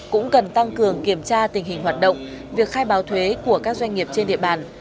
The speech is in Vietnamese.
cũng cần tăng cường kiểm tra tình hình hoạt động việc khai báo thuế của các doanh nghiệp trên địa bàn